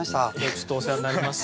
ちょっとお世話になります。